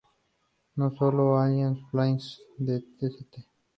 No solo el Allianz Field de St.